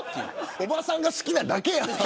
おばさんが好きなだけやん。